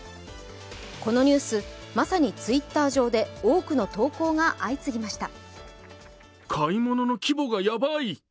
このニュース、まさにＴｗｉｔｔｅｒ上で多くの投稿が相次ぎました。